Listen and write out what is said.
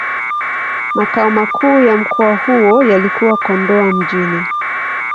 Makao makuu ya mkoa huo yalikuwa Kondoa Mjini.